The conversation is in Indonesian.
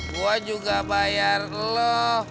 gue juga bayar lu